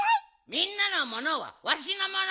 みんなのものはわしのもの。